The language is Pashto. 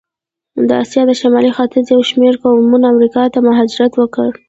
د آسیا د شمال ختیځ یو شمېر قومونه امریکا ته مهاجرت وکړ.